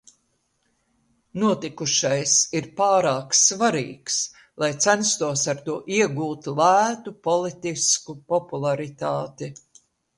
Notikušais ir pārāk svarīgs, lai censtos ar to iegūt lētu politisku popularitāti.